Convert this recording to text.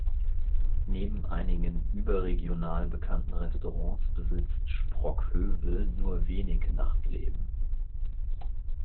Neben einigen überregional bekannten Restaurants besitzt Sprockhövel nur wenig Nachtleben.